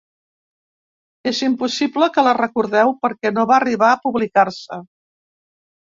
És impossible que la recordeu perquè no va arribar a publicar-se.